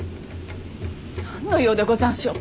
何の用でござんしょう？